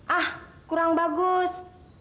ah kurang bagus